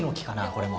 これも。